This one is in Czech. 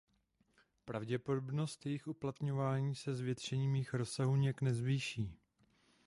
Pravděpodobnost jejich uplatňování se zvětšením jejich rozsahu nijak nezvýší.